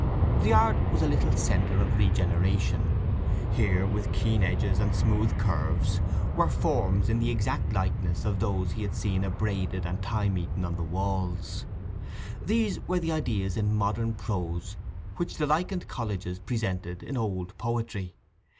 The yard was a little centre of regeneration. Here, with keen edges and smooth curves, were forms in the exact likeness of those he had seen abraded and time eaten on the walls. These were the ideas in modern prose which the lichened colleges presented in old poetry.